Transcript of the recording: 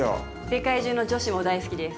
世界中の女子も大好きです。